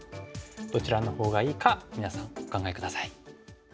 どちらのほうがいいか皆さんお考え下さい。